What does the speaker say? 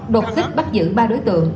đột kích bắt giữ ba đối tượng